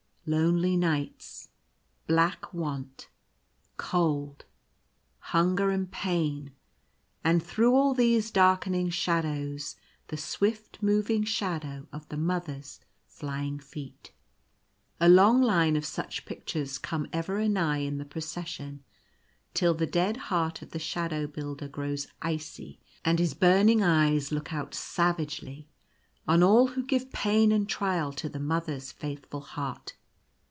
Lonely nights — black want — cold — hunger and pain ; and through all these darkening shadows the swift moving shadow of the Mother's flying feet. A long long line of such pictures come ever anigh in the Procession, till the dead heart of the Shadow Builder grows icy, and his burning eyes look out savagely on all who give pain and trial to the Mother's faithful heart.